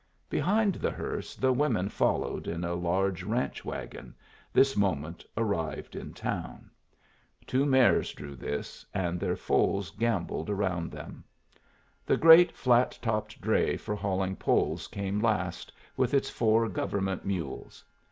Behind the hearse the women followed in a large ranch wagon, this moment arrived in town. Two mares drew this, and their foals gambolled around them. The great flat topped dray for hauling poles came last, with its four government mules.